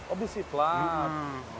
oh besi pelat